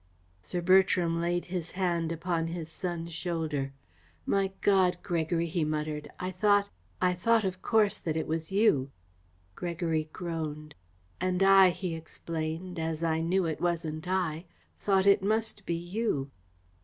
Sir Bertram laid his hand upon his son's shoulder. "My God, Gregory," he muttered, "I thought I thought, of course, that it was you." Gregory groaned. "And I," he explained "as I knew it wasn't I thought it must be you."